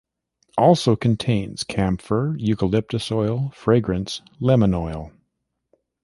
"Also contains:" Camphor, eucalyptus oil, fragrance, lemon oil.